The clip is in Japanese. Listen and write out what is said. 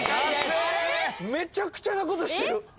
・めちゃくちゃなことしてる！